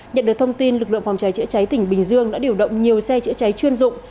nhận được thông tin lực lượng phòng cháy chữa cháy tỉnh bình dương đã điều động nhiều xe chữa cháy chuyên dụng